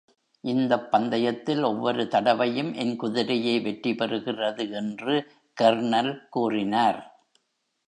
இந்தப் பந்தயத்தில் ஒவ்வொரு தடவையும் என் குதிரையே வெற்றிபெறுகிறது என்று கர்னல் கூறினார்.